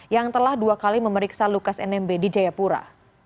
yang telah dua kali memeriksa lukas nmb di jayapura